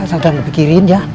sangat dipikirin ya